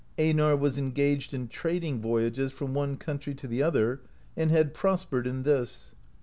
Einar was engaged in trading voyages from one country to the other, and had prospered in this.